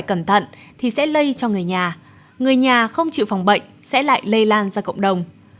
cẩn thận thì sẽ lây cho người nhà người nhà không chịu phòng bệnh sẽ lại lây lan ra cộng đồng